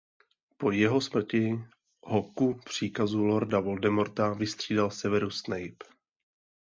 Po jeho smrti ho ku příkazu lorda Voldemorta vystřídal Severus Snape.